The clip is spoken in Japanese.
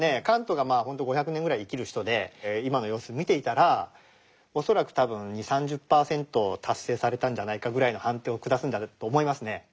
カントが５００年ぐらい生きる人で今の様子を見ていたら恐らく２０３０％達成されたんじゃないかぐらいの判定を下すんだと思いますね。